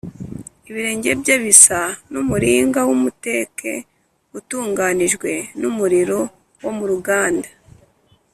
ibirenge bye bisa n’umuringa w’umuteke utunganijwe n’umuriro wo mu ruganda,